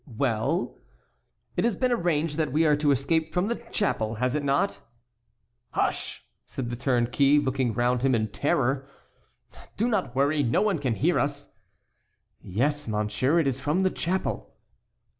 "Well?" "It has been arranged that we are to escape from the chapel, has it not?" "Hush!" said the turnkey, looking round him in terror. "Do not worry; no one can hear us." "Yes, monsieur; it is from the chapel."